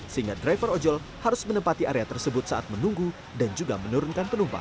sehingga driver ojol harus menempati area tersebut saat menunggu dan juga menurunkan penumpang